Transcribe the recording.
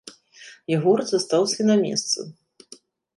Ягор застаўся на месцы.